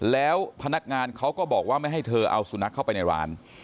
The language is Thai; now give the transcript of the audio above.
แล้วพนักงานเขาก็บอกว่าไม่ให้เธอเอาสุนัขเข้าไปในร้าน